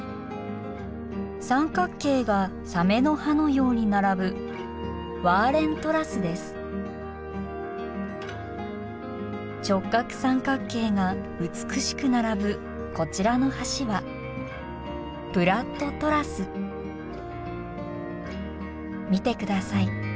三角形がサメの歯のように並ぶ直角三角形が美しく並ぶこちらの橋は見てください